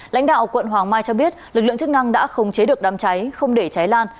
lãnh đạo quận hoàng mai cho biết lực lượng chức năng đã khống chế được đám cháy không để cháy lan